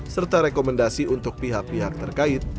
serta rekomendasi untuk pihak pihak terkait